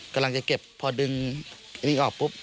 กำลังจะเก็บพอดึงอันนี้ออกปุ๊บ